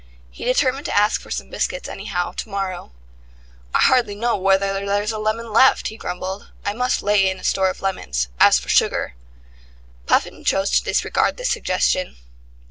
He determined to ask for some biscuits, anyhow, to morrow. ... "I hardly know whether there's a lemon left," he grumbled. "I must lay in a store of lemons. As for sugar " Puffin chose to disregard this suggestion.